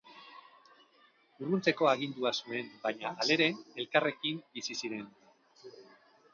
Urruntzeko agindua zuen, baina halere, elkarrekin bizi ziren.